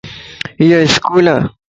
ايو اسڪول ائي